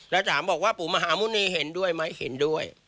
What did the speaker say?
แล้วถามบอกว่าปู่มหาหมุณีเห็นด้วยไหมเห็นด้วย